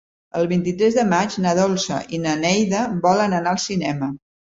El vint-i-tres de maig na Dolça i na Neida volen anar al cinema.